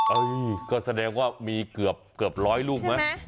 เอ้ยก็แสดงว่ามีเกือบร้อยลูกไหม